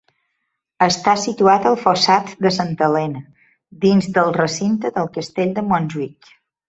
Està situat al Fossat de Santa Elena, dins del recinte del Castell de Montjuïc.